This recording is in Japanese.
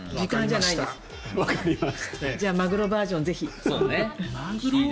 じゃあマグロバージョン、ぜひ。